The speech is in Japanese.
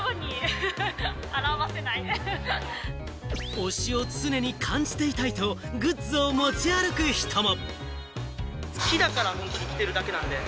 推しを常に感じていたいと、グッズを持ち歩く人も。